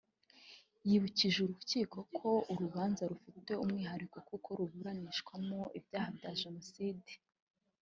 yibukije Urukiko ko uru rubanza rufite umwihariko kuko ruburanishwamo ibyaha bya Jenoside